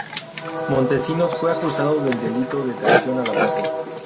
Montesinos fue acusado del delito de traición a la patria.